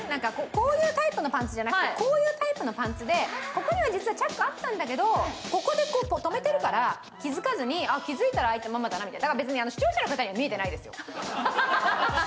こういうタイプのパンツじゃなくて、こういうタイプのパンツでここには実はチャックあったんだけどここでこう、止めてるから気づかずに、気付いたら開いたままだなみたいな。